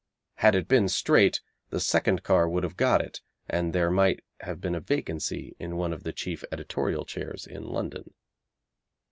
Had it been straight the second car would have got it, and there might have been a vacancy in one of the chief editorial chairs in London.